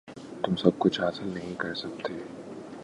تم سب کچھ حاصل نہیں کر سکتے۔